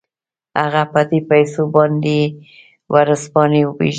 هغه په دې پيسو باندې ورځپاڼې وپېرلې.